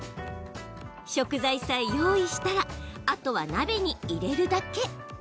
食材さえ用意したらあとは鍋に入れるだけ。